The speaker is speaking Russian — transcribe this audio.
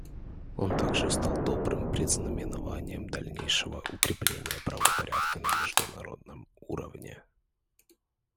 Он также стал добрым предзнаменованием дальнейшего укрепления правопорядка на международном уровне.